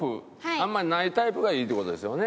あんまりないタイプがいいって事ですよね？